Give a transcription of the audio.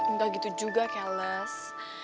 nggak gitu juga kelas